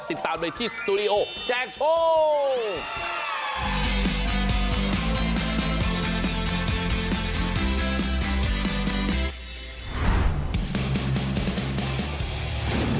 ติดตามโดยที่สตูดิโอแจกโชค